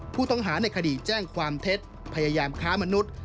ผู้ต้องหาในคดีแจ้งความเท็จพยายามค้ามนุษย์